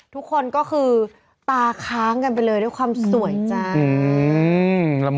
ทุกคนก็คือตาค้างกันไปเลยด้วยความสวยจ้า